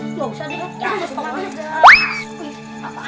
enggak usah panggil